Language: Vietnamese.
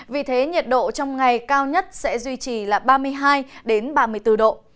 vì thế nhiệt độ trong ngày cao nhất sẽ duy trì là ba mươi hai ba mươi bốn độ